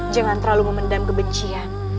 jangan terlalu memendam kebencian